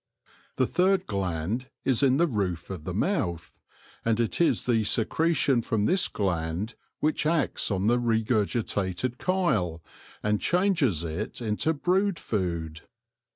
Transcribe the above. The third gland is in the roof of the mouth, and it is the secretion from this gland which acts on the re gurgitated chyle, and changes it into brood food.